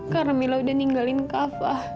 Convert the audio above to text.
karena mila udah ninggalin kava